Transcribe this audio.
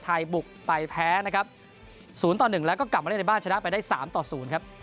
บุกไปแพ้นะครับ๐ต่อ๑แล้วก็กลับมาเล่นในบ้านชนะไปได้๓ต่อ๐ครับ